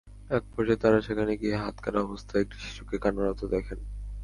একপর্যায়ে তারা সেখানে গিয়ে হাত কাটা অবস্থায় একটি শিশুকে কান্নারত দেখে।